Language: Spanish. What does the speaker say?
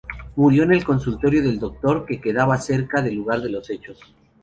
Murió en el consultorio del doctor que quedaba cerca del lugar de los hechos.